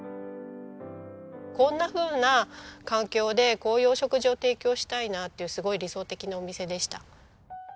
こんなふうな環境でこういうお食事を提供したいなっていうすごい理想的なお店でした。